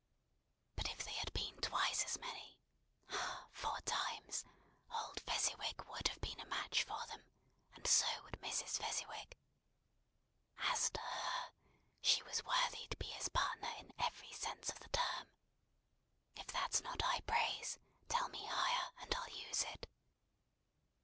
But if they had been twice as many ah, four times old Fezziwig would have been a match for them, and so would Mrs. Fezziwig. As to her, she was worthy to be his partner in every sense of the term. If that's not high praise, tell me higher, and I'll use it.